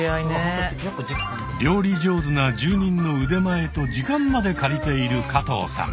料理上手な住人の腕前と時間まで借りている加藤さん。